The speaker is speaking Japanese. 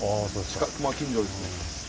近所ですね。